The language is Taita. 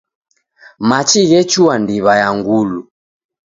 Machi ghechua ndiw'a ya Ngulu.